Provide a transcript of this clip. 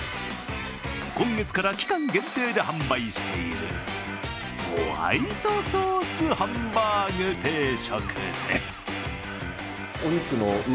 今月から期間限定で販売しているホワイトソースハンバーグ定食です。